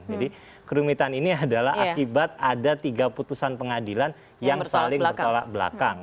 jadi kerumitan ini adalah akibat ada tiga putusan pengadilan yang saling bertolak belakang